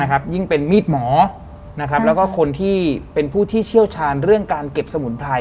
ยิ่งเป็นมีดหมอแล้วก็คนที่เป็นผู้ที่เชี่ยวชาญเรื่องการเก็บสมุนไพร